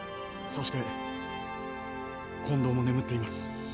そして近藤も眠っています。